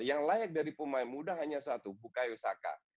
yang layak dari pemain muda hanya satu bukayo saka